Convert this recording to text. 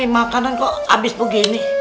makanan kok abis begini